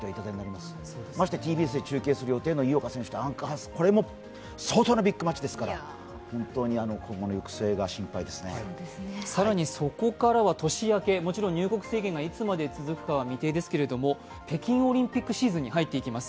ましてはＴＢＳの中継する予定の井岡選手とアンカハス選手、これも相当なビッグマッチですから更にそこからは年明け、入国制限がいつまで続くかは未定ですが、北京オリンピックシーズンに入っていきます。